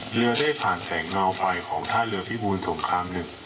เรือได้ผ่านแสงเงาไฟของท่าเรือพิบูรสงคราม๑